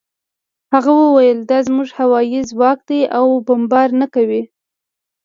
هغه وویل دا زموږ هوايي ځواک دی او بمبار نه کوي